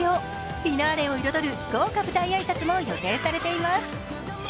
フィナーレを彩る豪華舞台挨拶も予定されています。